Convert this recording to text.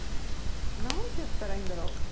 何て言ったらいいんだろう？